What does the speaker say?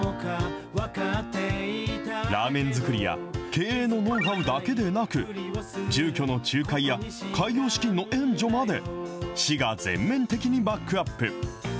ラーメン作りや、経営のノウハウだけでなく、住居の仲介や、開業資金の援助まで、市が全面的にバックアップ。